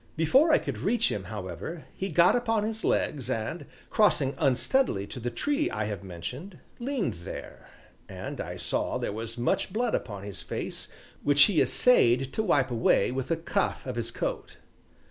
Before I could reach him, however, he got upon his legs and, crossing unsteadily to the tree I have mentioned, leaned there, and I saw there was much blood upon his face which he essayed to wipe away with the cuff of his coat.